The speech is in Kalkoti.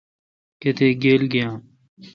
کتیک گیل گییام۔